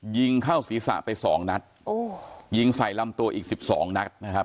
ยิงเข้าศีรษะไปสองนัดโอ้ยิงใส่ลำตัวอีกสิบสองนัดนะครับ